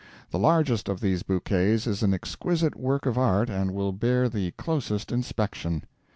The largest of these bouquets is an exquisite work of art and will bear the closest inspection.